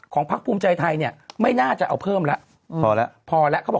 ของภาคภูมิใจไทยเนี่ยไม่น่าจะเอาเพิ่มแล้วพอแล้วเขาบอก